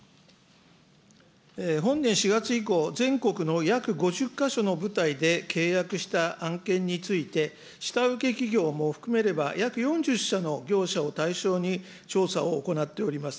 本年４月以降、全国の約５０か所の部隊で契約した案件について、下請け企業も含めれば、約４０社の業者を対象に調査を行っております。